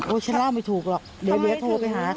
โอ๊ยฉันเล่าไม่ถูกหรอกเดี๋ยวดีแดงโทรไปหาค่ะ